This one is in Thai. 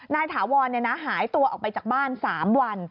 ถาวรหายตัวออกไปจากบ้าน๓วัน